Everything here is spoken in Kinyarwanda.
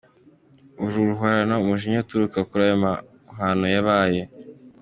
Uru ruhorana umujinya uturuka kuri ayo mahano yabaye.